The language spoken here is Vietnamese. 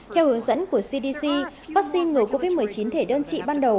theo hướng dẫn của cdc vaccine ngừa covid một mươi chín thể đơn trị ban đầu